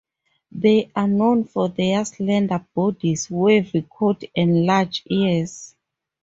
They are known for their slender bodies, wavy coat, and large ears.